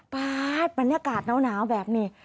ป๊าดบรรยากาศหนาวแบบนี้